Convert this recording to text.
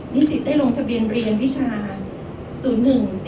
นิสิทธิ์ได้ลงทะเบียนเรียนวิชาศูนย์๑๔๒๓๒๔๔๓